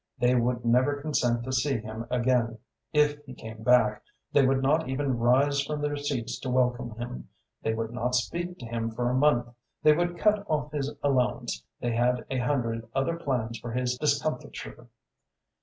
They would never consent to see him again; if he came back, they would not even rise from their seats to welcome him; they would not speak to him for a month; they would cut off his allowance; they had a hundred other plans for his discomfiture.